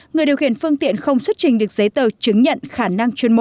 người điều khiển phương tiện không xuất trình được giấy tờ chứng nhận khả năng chuyên môn